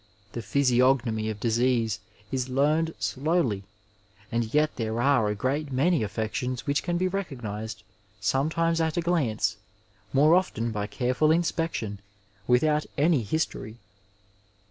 The physiogiiom j of disease is learned slowly, and yet there are ia great many affections which can be recognized, sometimes at a glance, more often by careful inspection, without any history.